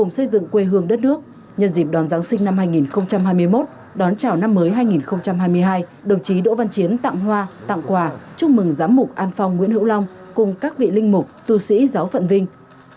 nhân dịp đón giáng sinh năm hai nghìn hai mươi một đón chào năm mới hai nghìn hai mươi hai đồng chí đỗ văn chiến tặng hoa tặng quà chúc mừng giám mục an phong nguyễn hữu long cùng các vị linh mục tu sĩ giáo phận vinh